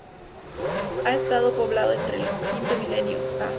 Ha estado poblado entre el V Milenio a.